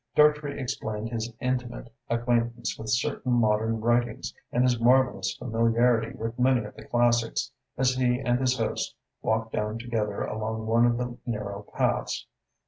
Dartrey explained his intimate acquaintance with certain modern writings and his marvellous familiarity with many of the classics, as he and his host walked down together along one of the narrow paths.